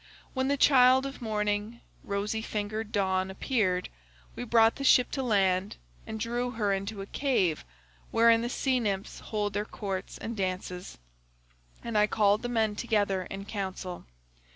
When the child of morning, rosy fingered Dawn, appeared, we brought the ship to land and drew her into a cave wherein the sea nymphs hold their courts and dances, and I called the men together in council.